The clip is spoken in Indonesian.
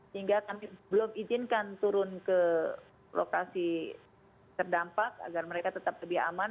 sehingga kami belum izinkan turun ke lokasi terdampak agar mereka tetap lebih aman